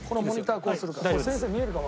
これ先生見えるかも。